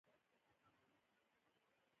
له همدې کبله تولید له سخت سقوط سره مخ شو